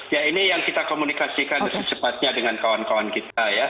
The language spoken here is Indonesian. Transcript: ya ini yang kita komunikasikan secepatnya dengan kawan kawan kita ya